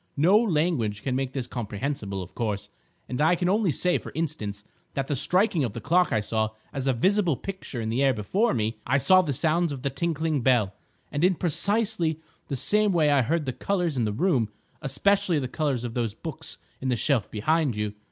No language can make this comprehensible, of course, and I can only say, for instance, that the striking of the clock I saw as a visible picture in the air before me. I saw the sounds of the tinkling bell. And in precisely the same way I heard the colours in the room, especially the colours of those books in the shelf behind you.